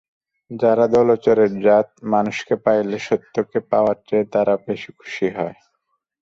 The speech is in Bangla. যারা দলচরের জাত মানুষকে পাইলে সত্যকে পাওয়ার চেয়ে তারা বেশি খুশি হয়।